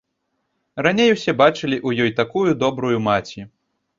Раней усе бачылі ў ёй такую добрую маці.